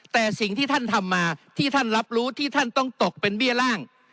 แต่สิ่งที่ท่านทำมาที่ท่านรับรู้ที่ท่านต้องตกเป็นเบี้ยร่าง